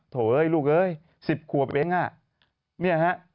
โถ้ยลูกเอ๊ย๑๐ขวบเองนี่ฮะ